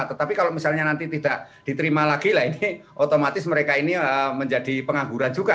tetapi kalau misalnya nanti tidak diterima lagi lah ini otomatis mereka ini menjadi pengangguran juga